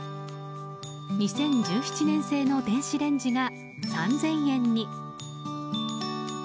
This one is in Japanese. ２０１７年製の電子レンジが３０００円に。